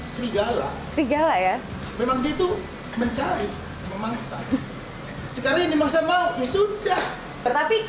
serigala serigala ya memang gitu mencari memangsa sekarang ini mau ya sudah tetapi